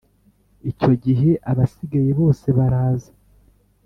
Icyo gihe abasigaye bose baraza